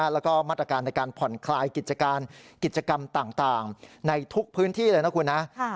แล้วก็มาตรการในการผ่อนคลายกิจการกิจกรรมต่างในทุกพื้นที่เลยนะคุณนะ